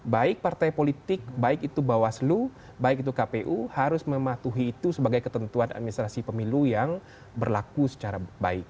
baik partai politik baik itu bawaslu baik itu kpu harus mematuhi itu sebagai ketentuan administrasi pemilu yang berlaku secara baik